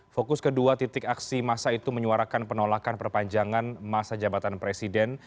fokus kedua titik aksi masa itu menyuarakan penolakan perpanjangan masa jabatan presiden